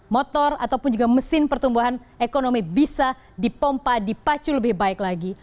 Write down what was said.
motor ataupun juga mesin pertumbuhan ekonomi bisa dipompa dipacu lebih baik lagi